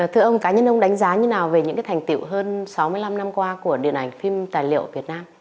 thưa ông cá nhân ông đánh giá như nào về những thành tiệu hơn sáu mươi năm năm qua của điện ảnh phim tài liệu việt nam